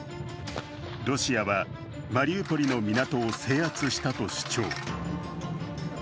ロシアは、マリウポリの港を制圧したと主張。